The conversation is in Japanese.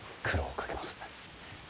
苦労をかけます。